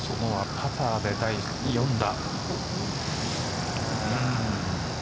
パターで第４打。